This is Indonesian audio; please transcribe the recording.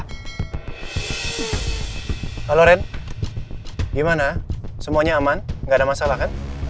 halo ren gimana semuanya aman gak ada masalah kan